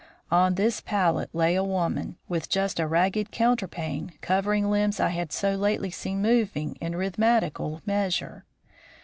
On this pallet lay a woman, with just a ragged counterpane covering limbs I had so lately seen moving in rhythmical measure.